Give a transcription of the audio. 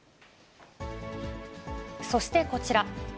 そしてこちら。